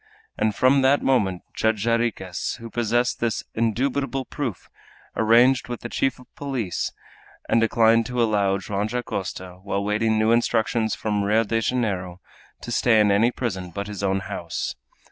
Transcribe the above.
And from that moment Judge Jarriquez, who possessed this indubitable proof, arranged with the chief of the police, and declined to allow Joam Dacosta, while waiting new instructions from Rio Janeiro, to stay in any prison but his own house.